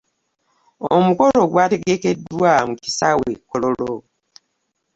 Omukolo gwattegekeddwa mu kisaawe e kololo.